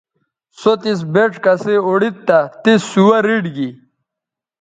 سو تس بِڇ کسئ اوڑید تہ تس سوہ ریٹ گی